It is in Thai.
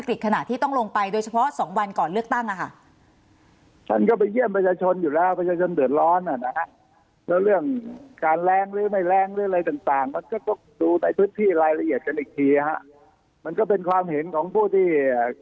ภายนู้นก็พยายามที่จะไปจับผิดกันนะฮะก็จะไปพูดประเด็นนู้นประเด็นนี้